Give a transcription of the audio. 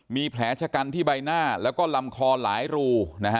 มีแผลชะกันที่ใบหน้าแล้วก็ลำคอหลายรู